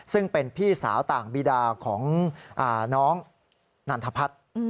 ซึ่งเป็นพี่สาวต่างบีดาของน้องนันทพัฒน์